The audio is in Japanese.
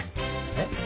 えっ？